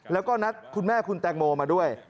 แล้วก็นัดคุณแม่คุณแตงโมมาด้วย